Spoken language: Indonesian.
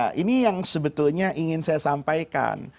nah ini yang sebetulnya ingin saya sampaikan